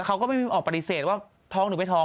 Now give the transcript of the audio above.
ตอนนั้นก็จะฝากออกปฏิเสธว่าทองหรือไม่ทอง